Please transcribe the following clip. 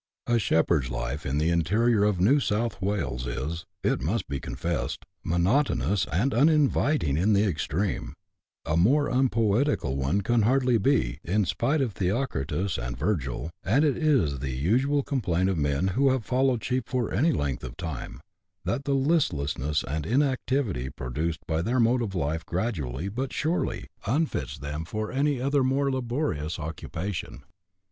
A shepherd's life in the interior of New South Wales is, it must be confessed, monotonous and uninviting in the extreme ; a more unpoetical one can hardly be, in spite of Theocritus and Virgil : and it is the usual complaint of men who have followed sheep for any length of time, that the listlessness and inactivity produced by their mode of life gradually, but surely, unfits them for any other more laborious occupation.